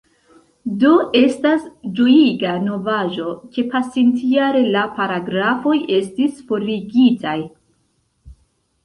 Do estas ĝojiga novaĵo, ke pasintjare la paragrafoj estis forigitaj.